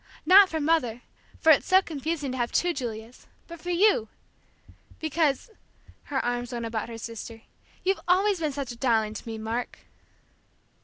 Not for Mother, for it's so confusing to have two Julias, but for you! Because," her arms went about her sister, "you've always been such a darling to me, Mark!"